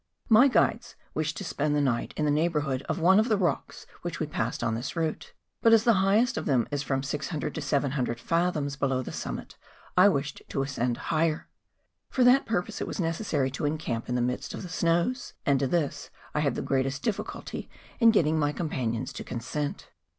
My guides wished to spend the night in the neighbourhood of one of the rocks which we passed on this route ; but as the highest of them is from 600 to 700 fathoms below the summit, I wished to ascend higher. For that purpose it was necessary to encamp in the midst of the snows, and to this I had the greatest difficulty in getting my companions to consent.